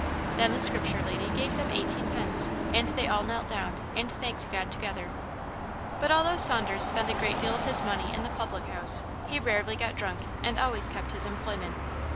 Then the Scripture lady gave them eighteen pence, and they all knelt down and thanked God together. But although Saunders spent a great deal of his money in the public house, he rarely got drunk and always kept his employment.